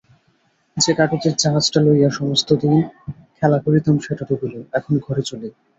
যে কাগজের জাহাজটা লইয়া সমস্তদিন খেলা করিতাম সেটা ডুবিল, এখন ঘরে চলি।